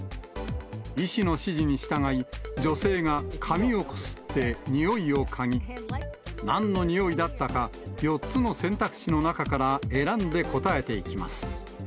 医師の指示に従い、女性が紙をこすってにおいを嗅ぎ、なんのにおいだったか、４つの選択肢の中から選んで答えていきます。